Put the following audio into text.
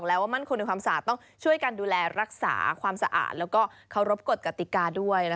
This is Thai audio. ถ้ามันคงในความสะอาดบอกเรามันก็รักษาและการรับกฏกฎิกาด้วย